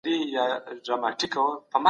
سفیران کله په ټاکنو کي ګډون کوي؟